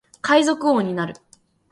海賊王になる